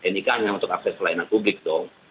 nik hanya untuk akses pelayanan publik dong